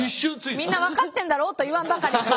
みんな分かってんだろうと言わんばかりに。